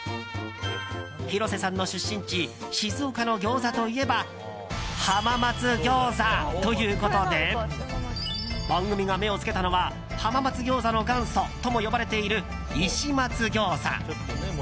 広瀬さんの出身地・静岡の餃子といえば浜松餃子ということで番組が目を付けたのは浜松餃子の元祖ともいわれている石松餃子。